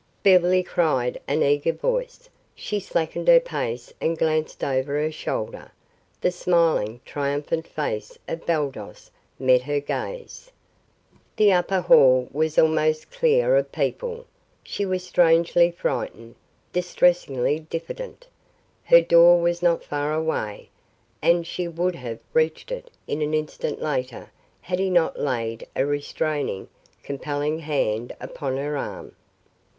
"Beverly," cried an eager voice. She slackened her pace and glanced over her shoulder. The smiling, triumphant face of Baldos met her gaze. The upper hall was almost clear of people. She was strangely frightened, distressingly diffident. Her door was not far away, and she would have reached it in an instant later had he not laid a restraining, compelling hand upon her arm.